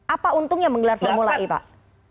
apa untungnya menggelar formula e pak